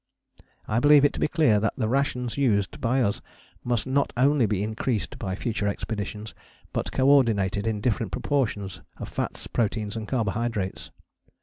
I believe it to be clear that the rations used by us must not only be increased by future expeditions, but co ordinated in different proportions of fats, proteins and carbohydrates.